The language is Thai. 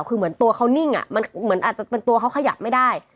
คือเหมือนตัวเขานิ่งอาจจะเป็นตัวเขาขยับไม่ได้